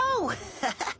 ハハハ！